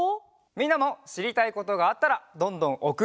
みんなもしりたいことがあったらどんどんおくってね！